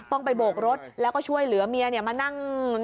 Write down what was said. ต้องไปโบกรถแล้วก็ช่วยเหลือเมียมานั่ง